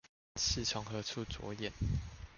是從何處著眼？